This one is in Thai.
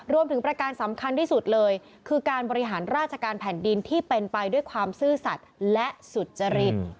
ประการสำคัญที่สุดเลยคือการบริหารราชการแผ่นดินที่เป็นไปด้วยความซื่อสัตว์และสุจริต